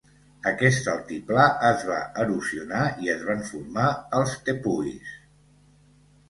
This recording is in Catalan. Aquest altiplà es va erosionar i es van formar els tepuis.